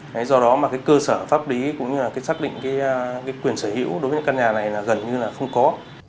thế do đó mà cái cơ sở pháp lý cũng như là cái xác định cái quyền sở hữu đối với cái căn nhà này là gần như là không có